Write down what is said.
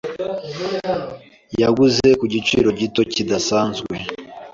yaguze ku giciro gito kidasanzwe.